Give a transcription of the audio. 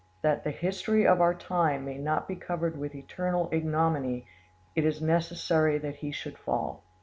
That the history of our time may not be covered with eternal ignominy, it is necessary that he should fall.